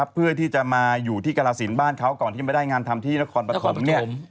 เพื่อที่จะมาอยู่ที่กรสินบ้านเขาก่อนที่ไม่ได้งานทำที่นครปฐม